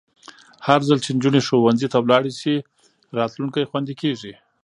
هرځل چې نجونې ښوونځي ته ولاړې شي، راتلونکی خوندي کېږي.